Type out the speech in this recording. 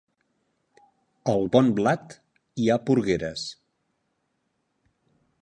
Al bon blat hi ha porgueres.